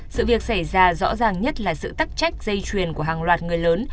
sự việc xảy ra rõ ràng nhất là sự tắc trách dây chuyền của hàng loạt người lớn